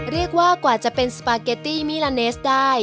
เรียกว่ากว่าจะเป็นสปาเกตตี้มิลาเนสได้